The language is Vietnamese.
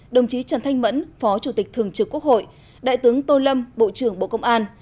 đồng chí trần thanh mẫn phó chủ tịch thường trực quốc hội đại tướng tô lâm bộ trưởng bộ công an